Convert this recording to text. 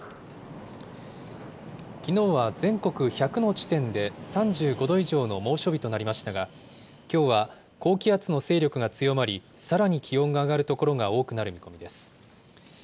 きのうは全国１００の地点で３５度以上の猛暑日となりましたが、きょうは高気圧の勢力が強まり、さらに気温が上がる所が多くなる見込みです。